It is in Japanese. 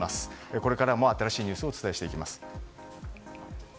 これからも新しいニュースをお伝えしていきます。